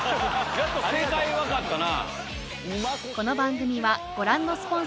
やっと正解分かったな。